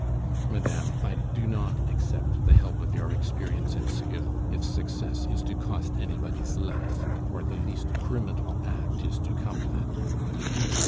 "Madame, I do not accept the help of your experience and skill if success is to cost anybody's life, or the least criminal act is to come of it."